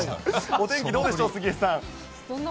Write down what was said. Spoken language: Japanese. お天気どうでしょう、杉江さん。